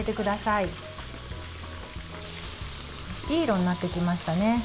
いい色になってきましたね。